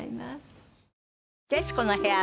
『徹子の部屋』は